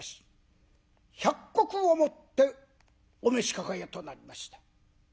１００石をもってお召し抱えとなりました。